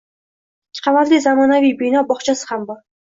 Ikki qavatli zamonaviy bino, bog‘chasi ham bor.